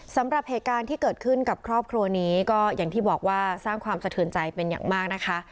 สำหรับเหตุการณ์ที่เกิดขึ้นกับครอบครัวนี้ก็อย่างที่บอกว่าสร้างความสะเทือนใจเป็นอย่างมากนะคะ